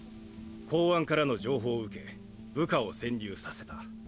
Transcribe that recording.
公安からの情報を受け部下を潜入させた。